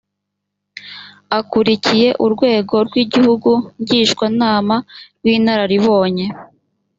akuriye urwego rw’igihugu ngishwanama rw’inararibonye